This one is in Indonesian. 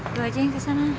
gue aja yang kesana